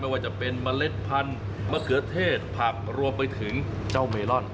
ว่าจะเป็นเมล็ดพันธุ์มะเขือเทศผักรวมไปถึงเจ้าเมลอน